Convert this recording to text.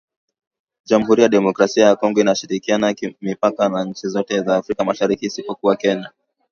Jamuhuri ya Demokrasia ya Kongo inashirikiana mipaka na nchi zote za Afrika Mashariki isipokuwa Kenya